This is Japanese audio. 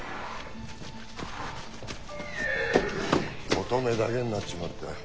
オトメだけになっちまった。